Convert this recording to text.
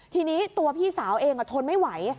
ทีนี้ตัวพี่สาวเองทนไม่ไหว